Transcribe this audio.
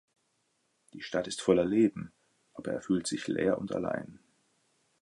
Die Stadt ist voller Leben, aber er fühlt sich leer und allein.